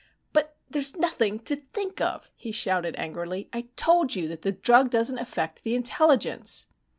"But there's nothing to think of!" he shouted angrily. "I told you that the drug doesn't affect the intelligence!"